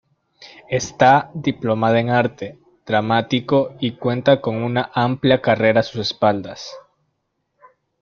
Está diplomada en Arte Dramático y cuenta con una amplia carrera a sus espaldas.